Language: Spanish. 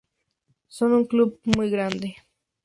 Son un club muy grande.